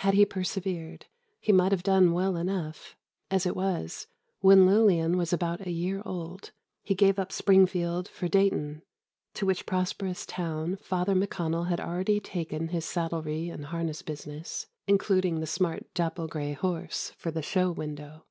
Had he persevered, he might have done well enough. As it was, when Lillian was about a year old, he gave up Springfield for Dayton, to which prosperous town Father McConnell had already taken his saddlery and harness business, including the smart dapple grey horse for the show window.